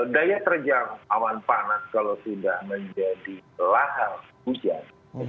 daya terjang awan panas kalau sudah menjadi lahar hujan